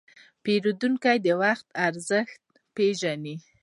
پیرودونکی د وخت ارزښت پېژني.